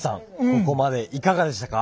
ここまでいかがでしたか？